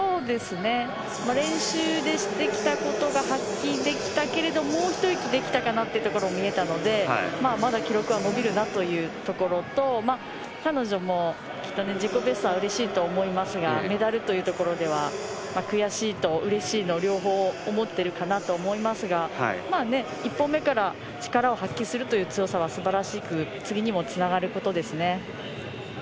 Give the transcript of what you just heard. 練習でしてきたことが発揮できたけれどももう一息できたかなというところが見えたのでまだ記録は伸びるなというところと彼女もきっと自己ベストはうれしいと思いますがメダルというところでは悔しいとうれしいの両方を思っているかなと思いますが１本目から力を発揮するという強さはすばらしく次にもつながることですね。